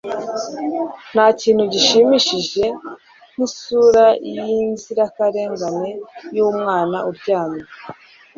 ntakintu gishimishije nkisura yinzirakarengane yumwana uryamye